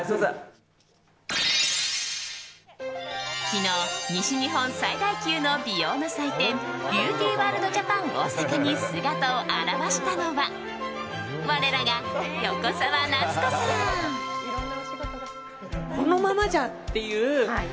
昨日西日本最大級の美容の祭典ビューティーワールドジャパン大阪に姿を現したのは我らが横澤夏子さん。